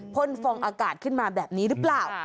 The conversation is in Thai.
่นฟองอากาศขึ้นมาแบบนี้หรือเปล่า